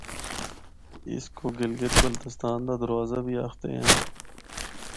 اسکو گلگت بلتستان دا دروازہ بھی آخدے ہن۔